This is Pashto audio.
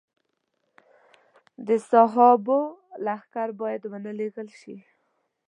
د صحابو لښکر باید ونه لېږل شي.